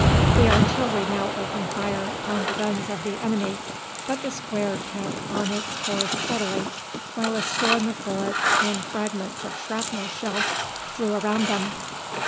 The artillery now opened fire upon the guns of the enemy, but the square kept on its course steadily, while a storm of bullets and fragments of shrapnel shell flew around them.